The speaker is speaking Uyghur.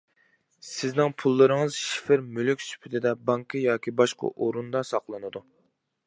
سىزنىڭ پۇللىرىڭىز شىفىر مۈلۈك سۈپىتىدە بانكا ياكى باشقا ئورۇندا ساقلىنىدۇ.